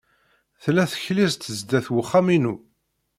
Tella teklizt sdat wexxam-inu.